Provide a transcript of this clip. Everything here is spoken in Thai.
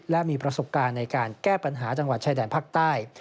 และมีประสบการณ์ในการแก้ปัญหาจังหวัดชายแดนภาคใต้